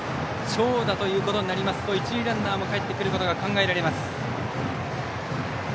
長打ということになりますと一塁ランナーもかえってくることが考えられます。